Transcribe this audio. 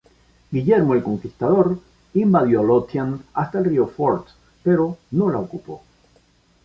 Guillermo el Conquistador invadió Lothian hasta el río Forth, pero no la ocupó.